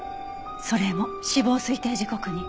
それも死亡推定時刻に。